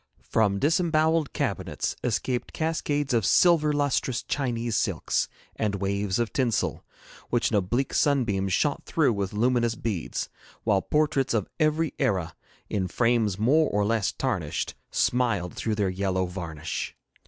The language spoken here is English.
From disembowelled cabinets escaped cascades of silver lustrous Chinese silks and waves of tinsel, which an oblique sunbeam shot through with luminous beads, while portraits of every era, in frames more or less tarnished, smiled through their yellow varnish.